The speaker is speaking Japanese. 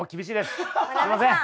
すいません。